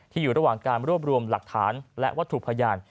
อยู่ระหว่างการรวบรวมหลักฐานและวัตถุพยาน